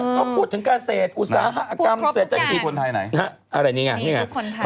เขาพูดถึงกาเศษอุตสาหกรรมเศรษฐกิจอะไรนี้ไงนี่ไง